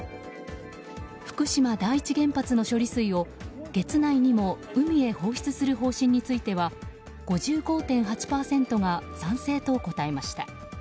福島第一原発の処理水を月内にも海へ放出する方針については５５．８％が賛成と答えました。